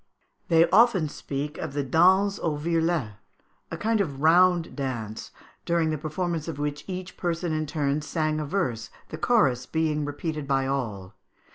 They often speak of the danse au virlet, a kind of round dance, during the performance of which each person in turn sang a verse, the chorus being repeated by all.